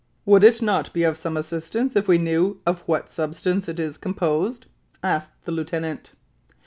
"Would it not be of some assistance, if we knew of what substance it is composed?" asked the lieutenant.